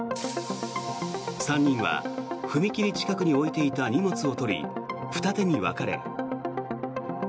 ３人は踏切近くに置いていた荷物を取り二手に分かれ。